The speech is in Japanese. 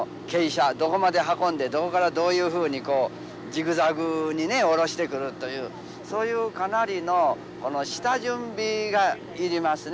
どこまで運んでどこからどういうふうにジグザグにね下ろしてくるというそういうかなりの下準備がいりますね。